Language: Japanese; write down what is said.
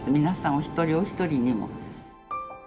皆さんお一人お一人にも。